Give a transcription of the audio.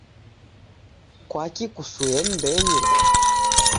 kwaki kusue m'mbenyu ?